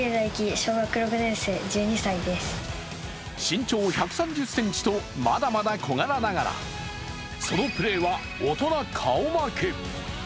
身長１３０ｃｍと、まだまだ小柄ながらそのプレーは大人顔負け。